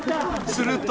［すると］